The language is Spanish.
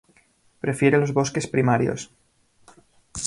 Prefiere los bosques primarios.